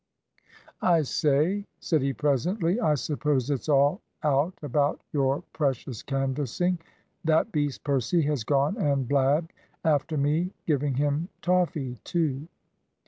"I say," said he presently, "I suppose it's all out about your precious canvassing. That beast Percy has gone and blabbed after me giving him toffee too!"